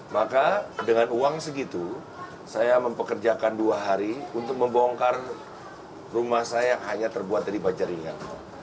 maka dengan uang segitu saya mempekerjakan dua hari untuk membongkar rumah saya yang hanya terbuat dari bajaringan